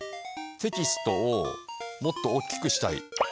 テキストをもっと大きくしたい。